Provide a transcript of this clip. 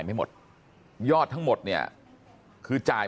บอกแล้วบอกแล้วบอกแล้วบอกแล้วบอกแล้ว